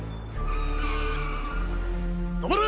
止まれ！